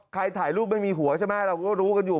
ถ่ายรูปไม่มีหัวใช่ไหมเราก็รู้กันอยู่